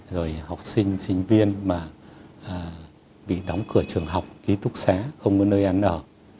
rồi học sinh sinh viên mà bị đóng cửa trường học ký túc xá không có nơi ăn ở